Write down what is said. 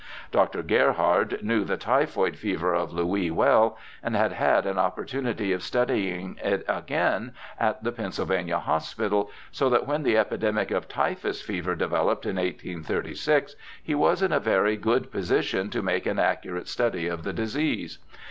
Dr. Gerhard knew the typhoid fever of Louis well, and had had an opportunity of studying it again at the Pennsylvania Hospital, so that when the epidemic of typhus fever developed in 1836 he was in a very good position to make an accurate study of the disease.